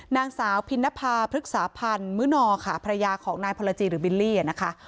นางสาวพินภาพฤกษาพันธ์มื้อนอค่ะภรรยาของนายพลจีหรือบิลลี่นะคะ